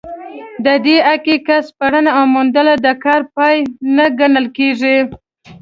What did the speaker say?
د دې حقیقت سپړنه او موندنه د کار پای نه ګڼل کېږي.